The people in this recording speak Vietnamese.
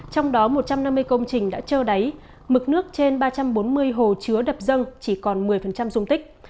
trong đó một trăm năm mươi công trình đã trơ đáy mực nước trên ba trăm bốn mươi hồ chứa đập dân chỉ còn một mươi dung tích